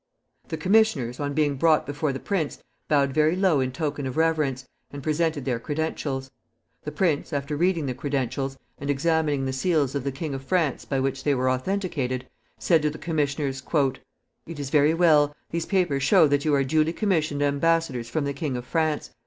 The commissioners, on being brought before the prince, bowed very low in token of reverence, and presented their credentials. The prince, after reading the credentials, and examining the seals of the King of France by which they were authenticated, said to the commissioners, "It is very well. These papers show that you are duly commissioned embassadors from the King of France.